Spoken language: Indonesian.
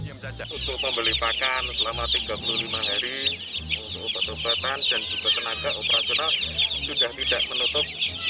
yang cocok untuk membeli pakan selama tiga puluh lima hari untuk obat obatan dan juga tenaga operasional sudah tidak menutup